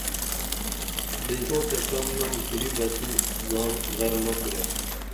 بے سوچہ کرَم نم کُری بہ تو زان غر مہ کُرے